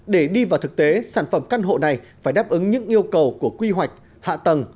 để đi vào thực tế sản phẩm căn hộ này phải đáp ứng những yêu cầu của quy hoạch hạ tầng